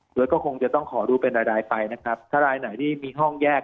โดยก็คงจะต้องขอดูเป็นรายไปนะครับถ้ารายไหนที่มีห้องแยก